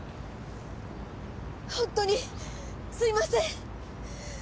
本当にすいません！